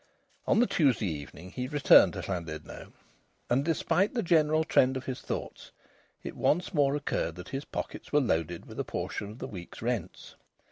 On the Tuesday evening he returned to Llandudno, and, despite the general trend of his thoughts, it once more occurred that his pockets were loaded with a portion of the week's rents.